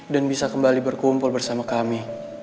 bisa kembali berkumpul bersama kami